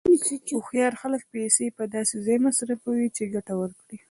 هوښیار خلک پیسې په داسې ځای مصرفوي چې ګټه ورکړي.